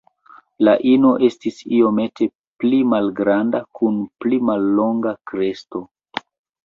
La ino estis iomete pli malgranda kun pli mallonga kresto.